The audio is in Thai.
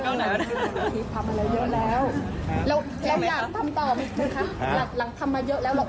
ทำมาเยอะแล้วแล้วอยากทำต่อมั้ยคุณคะหลังทำมาเยอะแล้วหรอก